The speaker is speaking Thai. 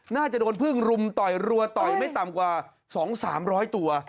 น่าจะโดนพึ่งรุมต่อยรัวต่อยไม่ต่ำกว่า๒๓๐๐ตัว